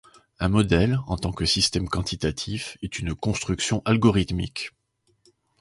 Un modèle, en tant que système quantitatif, est une construction algorithmique.